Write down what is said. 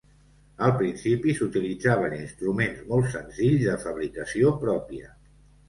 Al principi, s'utilitzaven instruments molt senzills de fabricació pròpia.